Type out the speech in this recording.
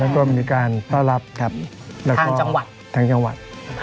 แล้วก็มีการเต้ารับทางจังหวัด